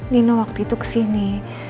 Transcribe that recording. nino waktu itu kesini